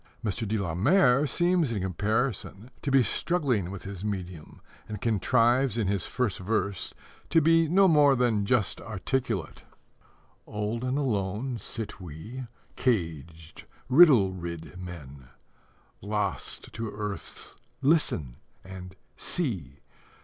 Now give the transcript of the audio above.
Mr. de la Mare seems in comparison to be struggling with his medium, and contrives in his first verse to be no more than just articulate: Old and alone, sit we, Caged, riddle rid men, Lost to earth's "Listen!" and "See!"